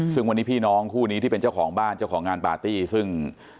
ซึ่งวันนี้พี่น้องคู่นี้ที่เป็นเจ้าของบ้านเจ้าของงานปาร์ตี้ซึ่ง